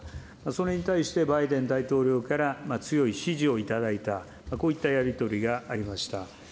それに対して、バイデン大統領から強い支持をいただいた、こういったやり取りがありました。